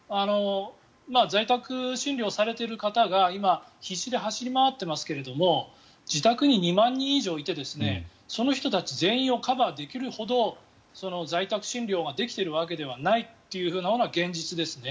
在宅診療をされている方が今、必死で走り回っていますが自宅に２万人以上いてその人たち全員をカバーできるほど在宅診療ができているわけではないというのが現実ですね。